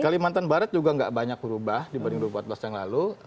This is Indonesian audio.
kalimantan barat juga nggak banyak berubah dibanding dua ribu empat belas yang lalu